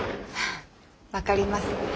分かります。